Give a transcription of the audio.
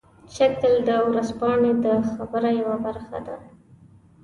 شکل د ورځپاڼې د خبر یوه برخه ده.